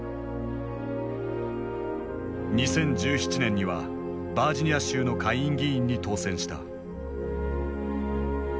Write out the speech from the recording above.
２０１７年にはバージニア州の下院議員に当選した。